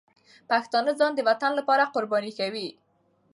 پښتانه ځان د وطن لپاره قرباني کوي.